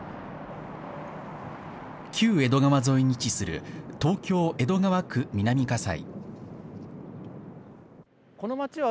旧江戸川沿いに位置する東京・江戸川区南葛西。